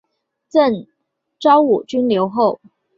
赠昭武军留后。